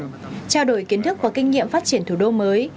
trao đổi kiến thức và kinh nghiệm phát triển thủ đô mới